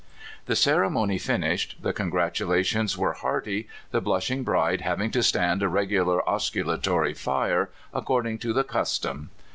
The ceremony finished, the congratulations were hearty, the blushing bride having to stand a regular osculatory fire, according to the custom.